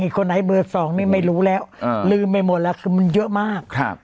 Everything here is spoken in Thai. ไอ้คนไหนเบอร์สองนี่ไม่รู้แล้วอ่าลืมไปหมดแล้วคือมันเยอะมากครับ